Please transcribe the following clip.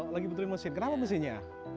lagi butuhin mesin kenapa mesinnya